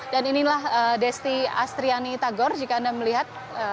dan inilah desti astriani tagor jika anda melihat